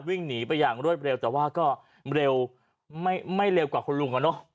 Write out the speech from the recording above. วิ่งหนีไปอย่างรวดเร็วแต่ว่าก็เร็วไม่เร็วกว่าคุณลุงอ่ะเนอะ